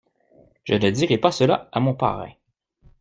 Je ne dirai pas cela à mon parrain.